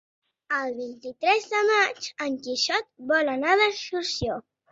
El vint-i-tres de maig en Quixot vol anar d'excursió.